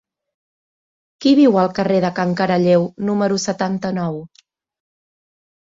Qui viu al carrer de Can Caralleu número setanta-nou?